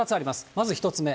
まず１つ目。